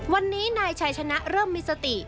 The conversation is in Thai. วันนี้นายชัยชนะเริ่มมีสติ